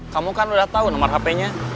kamu kan udah tau nomor hpnya